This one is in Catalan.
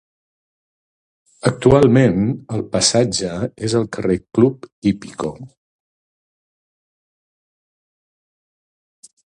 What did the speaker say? Actualment el passatge és el carrer Club Hípico.